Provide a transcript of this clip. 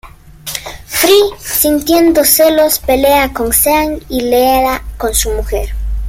Fry sintiendo celos pelea con Sean y Leela con su mujer.